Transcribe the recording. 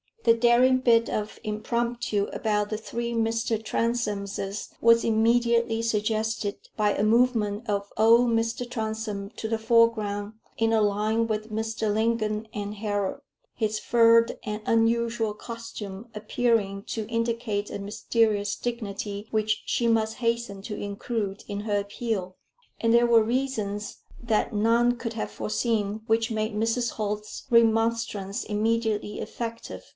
The daring bit of impromptu about the three Mr. Transomes was immediately suggested by a movement of old Mr. Transome to the foreground in a line with Mr. Lingon and Harold; his furred and unusual costume appearing to indicate a mysterious dignity which she must hasten to include in her appeal. And there were reasons that none could have foreseen, which made Mrs. Holt's remonstrance immediately effective.